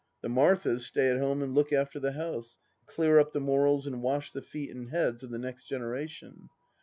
The Marthas stay at home and look after the house, clear up the morals and wash the feet and heads of the next generation.